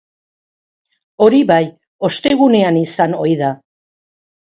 Hori bai, ostegunean izan ohi da.